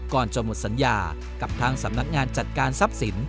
ก่อนจะหมดสัญญากับทางสำนักงานจัดการทรัพย์สิน